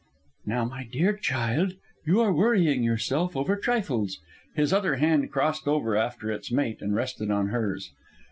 "Now, my dear child, you are worrying yourself over trifles." His other hand crossed over after its mate and rested on hers.